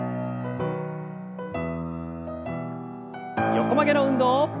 横曲げの運動。